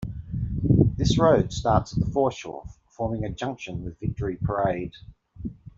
This road starts at the foreshore, forming a junction with Victory Parade.